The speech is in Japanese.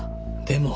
でも。